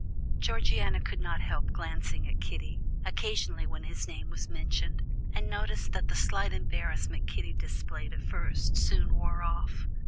Georgiana could not help glancing at Kitty occasionally when his name was mentioned, and noticed that the slight embarrassment Kitty displayed at first soon wore off.